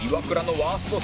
ワースト３。